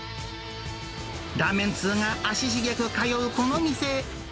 ラーメン通が足繁く通うこの店。